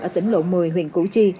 ở tỉnh lộ một mươi huyện cụ chi